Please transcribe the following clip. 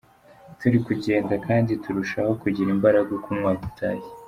Turi kugenda kandi turushaho kugira imbaraga uko umwaka utashye.